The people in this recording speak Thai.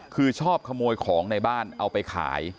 คือชอบขโมยของในบ้านเอาไปขาย